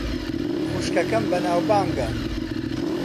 خوشکەکەم بەناوبانگە.